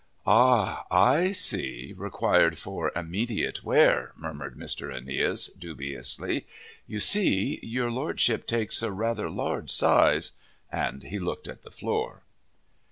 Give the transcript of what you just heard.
"Ah, I see. Required for immediate wear," murmured Mr. Aeneas, dubiously. "You see, your Lordship takes a rather large size." And he looked at the floor.